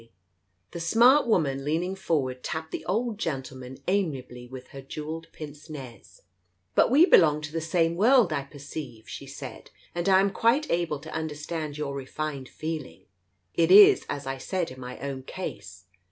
Digitized by Google 150 TALES OF THE UNEASY The smart woman, leaning forward, tapped the old gentleman amiably with her jewelled pince nez. "But we belong to the same world, I perceive," she said, "and I am quite able to understand your refined feeling. It is as I said in my own case.